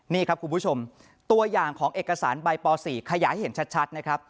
นี่ครับคุณผู้ชมตัวอย่างของเอกสารใบป๔ขยายเห็นชัดนะครับ